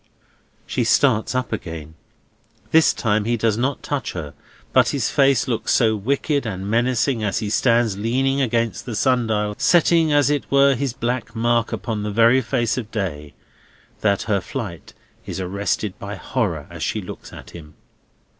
She starts up again. This time he does not touch her. But his face looks so wicked and menacing, as he stands leaning against the sun dial setting, as it were, his black mark upon the very face of day—that her flight is arrested by horror as she looks at him.